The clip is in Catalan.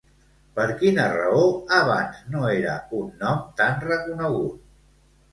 Per quina raó abans no era un nom tan reconegut?